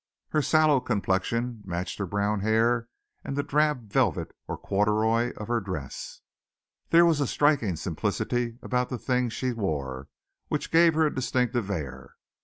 Her sallow complexion matched her brown hair and the drab velvet or corduroy of her dress. There was a striking simplicity about the things she wore which gave her a distinctive air.